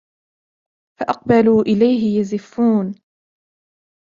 فأقبلوا إليه يزفون